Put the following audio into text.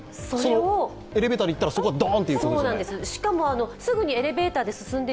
エレベーターで行ったらそこがドンということですね。